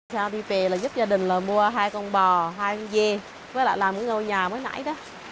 sau đi về là giúp gia đình là mua hai con bò hai con dê với lại làm cái ngôi nhà mới nãy đó